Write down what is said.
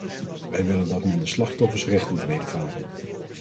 Wij willen dat men de slachtoffers recht doet wedervaren.